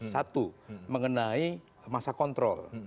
satu mengenai masa kontrol